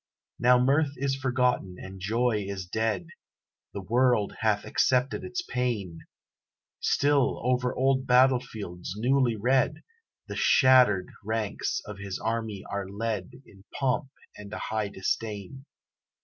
Now mirth is forgotten and joy is dead; The world hath accepted its pain; Still, over old battlefields, newly red, The shattered ranks of his army are led In pomp and a high disdain.